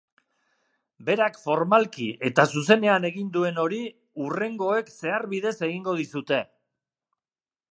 Berak formalki eta zuzenean egin duen hori, hurrengoek zeharbidez egingo dizute.